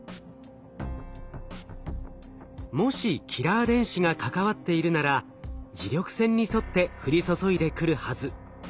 もしキラー電子が関わっているなら磁力線に沿って降り注いでくるはず。